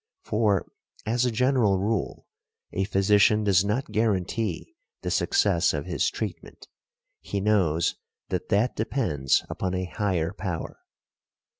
For, as a general rule, a physician does not guarantee the success of his treatment; he knows that that depends upon a higher power.